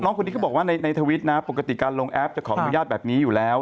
คนนี้เขาบอกว่าในทวิตนะปกติการลงแอปจะขออนุญาตแบบนี้อยู่แล้ว